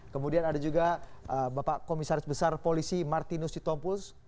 kemudian ada juga bapak komisaris besar polisi martinus sitompuls